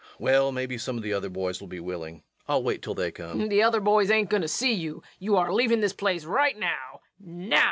Well, maybe some of the other boys will be willing. I'll wait till they come. LUKE. The other boys ain't goin' to see you. You're a leavin' this yer place right now now!